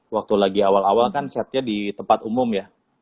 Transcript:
waktu lagi awal awal kan setnya di tempat umum ya